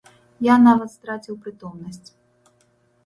Я нават страціў прытомнасць.